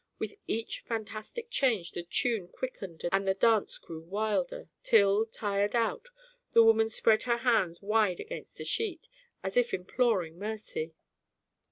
With each fantastic change the tune quickened and the dance grew wilder, till, tired out, the woman spread her hands wide against the sheet, as if imploring mercy.